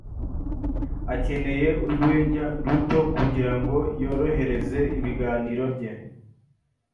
Akeneye urwenya ruto kugirango yorohereze ibiganiro bye.